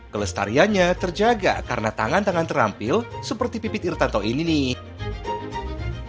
kelestariannya terjaga karena tangan tangan terampil seperti pipit irtanto ini nih